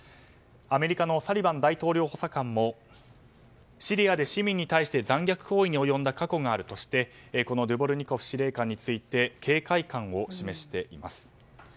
アメリカのサリバン大統領補佐官もシリアで市民に対して残虐行為に及んだ過去があるとしてドゥボルニコフ司令官について警戒感を示しています。